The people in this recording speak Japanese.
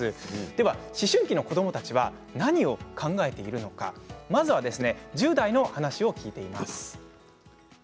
では思春期の子どもたちは何を考えているのかまずは１０代の話を聞きました。